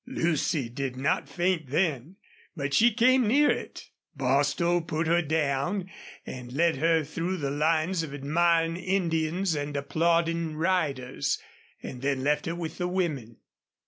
Lucy did not faint then, but she came near it. Bostil put her down and led her through the lines of admiring Indians and applauding riders, and left her with the women.